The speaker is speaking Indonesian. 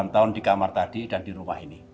delapan tahun di kamar tadi dan di rumah ini